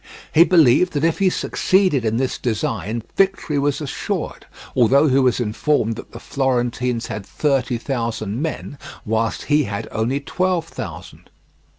He believed that if he succeeded in this design, victory was assured, although he was informed that the Florentines had thirty thousand men, whilst he had only twelve thousand.